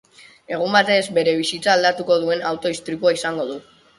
Egun batez, bere bizitza aldatuko duen auto istripua izango du.